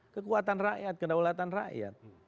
kekuatan rakyat kedaulatan rakyat